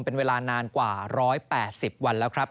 เป็นเวลานานกว่า๑๘๐วันแล้วครับ